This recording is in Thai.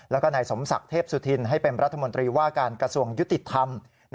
แล้วก็นายสมศักดิ์เทพสุธินให้เป็นรัฐมนตรีว่าการกระทรวงยุติธรรม